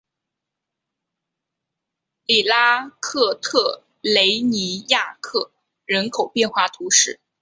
里拉克特雷尼亚克人口变化图示